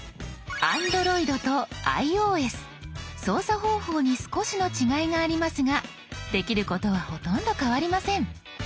ＡｎｄｒｏｉｄとｉＯＳ操作方法に少しの違いがありますができることはほとんど変わりません。